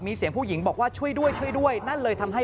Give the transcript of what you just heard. มีเสียงผู้หญิงบอกว่าช่วยด้วยช่วยด้วยนั่นเลยทำให้